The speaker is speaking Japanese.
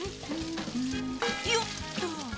よっと。